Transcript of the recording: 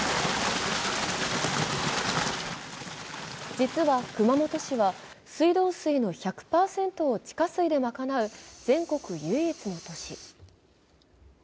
実は、熊本市は水道水の１００％を地下水で賄う全国唯一の都市。